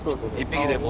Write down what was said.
１匹でも。